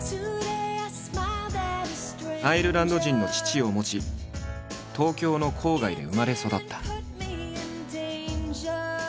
アイルランド人の父を持ち東京の郊外で生まれ育った。